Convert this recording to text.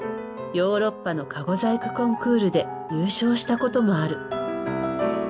ヨーロッパのかご細工コンクールで優勝したこともある。